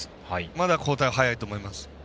まだ交代は早いと思います。